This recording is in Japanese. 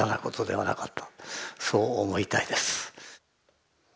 そう思いたいです。